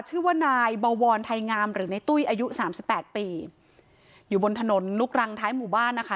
ชื่อว่านายบวรไทยงามหรือในตุ้ยอายุสามสิบแปดปีอยู่บนถนนลูกรังท้ายหมู่บ้านนะคะ